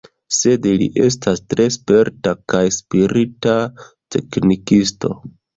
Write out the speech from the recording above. Sed li estas tre sperta kaj sprita teknikisto.